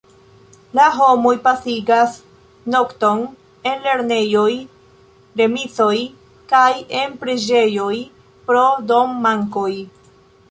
La homoj pasigas nokton en lernejoj, remizoj kaj en preĝejoj pro dom-mankoj.